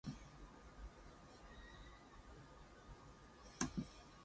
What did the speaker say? Crvena zvezda mts is the defending champion.